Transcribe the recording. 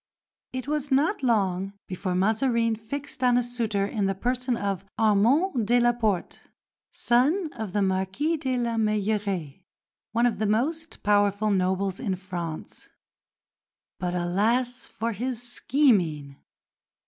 It was not long before Mazarin fixed on a suitor in the person of Armande de la Porte, son of the Marquis de la Meilleraye, one of the most powerful nobles in France. But alas for his scheming!